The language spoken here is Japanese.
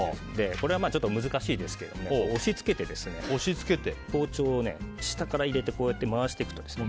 これはちょっと難しいですが押し付けて、包丁を下から入れてこうやって回していくと。